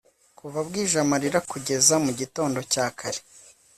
kuva bwije amarira kugeza mugitondo cya kare